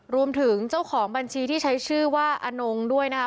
รวมถึงเจ้าของบัญชีที่ใช้ชื่อว่าอนงด้วยนะคะ